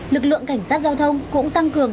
lực lượng cảnh sát giao thông cũng tăng cường